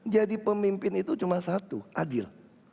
jadi pemimpin itu cuma satu adil